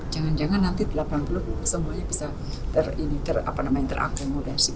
jangan jangan nanti delapan puluh semuanya bisa ter ini ter apa namanya terakomodasi